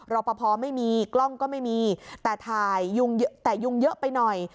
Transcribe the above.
เราประพอไม่มีกล้องก็ไม่มีแต่ยุงเยอะไปหน่อย